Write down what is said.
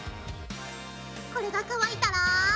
これが乾いたら。